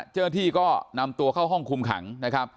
เจ้าหน้าที่ก็นำตัวเข้าห้องคุมขังนะครับ